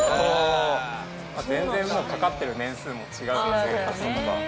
全然かかってる年数も違うので。